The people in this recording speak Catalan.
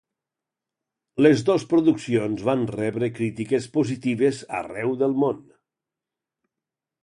Les dos produccions van rebre crítiques positives arreu del món.